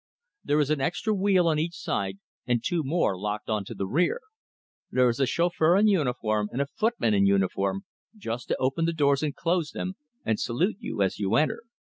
There is an extra wheel on each side, and two more locked on to the rear. There is a chauffeur in uniform, and a footman in uniform, just to open the doors and close them and salute you as you enter.